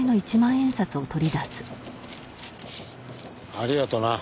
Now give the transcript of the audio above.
ありがとな。